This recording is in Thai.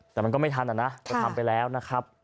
แต่มันก็ไม่ทันอะนะก็ทำไปแล้วนะครับ